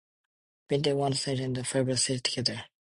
Bittinger won the stage, and the favourites stayed together.